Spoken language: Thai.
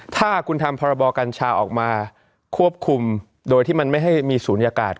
ถ้าคุณทำพรบกัญชาออกมาควบคุมโดยที่มันไม่ให้มีศูนยากาศ